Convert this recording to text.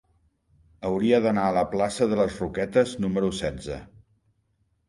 Hauria d'anar a la plaça de les Roquetes número setze.